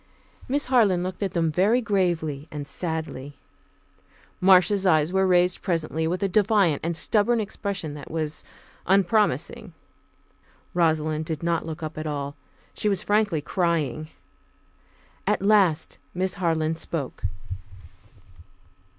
Miss Harland looked at them very gravely and sadly. Marcia's eyes were raised presently with a defiant and stubborn expression that was unpromising. Rosalind did not look up at all. She was frankly crying. At last Miss Harland spoke.